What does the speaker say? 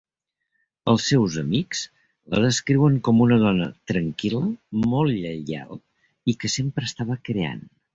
Els seus amics la descriuen com una dona tranquil·la molt lleial i que sempre estava creant.